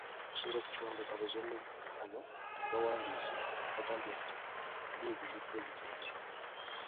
Okusinziira ku kiwandiiko abazannyi bano kye baawandiise baagambye nti banyiivu eri Pulezidenti.